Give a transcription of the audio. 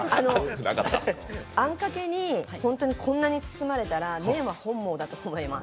あんかけにホントにこんなに包まれたら麺は本望だと思います。